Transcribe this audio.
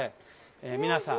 皆さん。